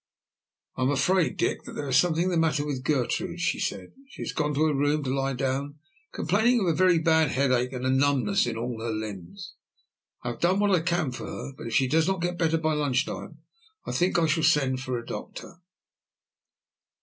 "I am afraid, Dick, that there is something the matter with Gertrude," she said. "She has gone to her room to lie down, complaining of a very bad headache and a numbness in all her limbs. I have done what I can for her, but if she does not get better by lunch time, I think I shall send for a doctor."